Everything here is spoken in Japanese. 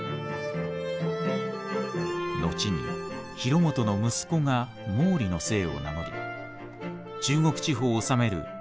後に広元の息子が毛利の姓を名乗り中国地方を治める安芸毛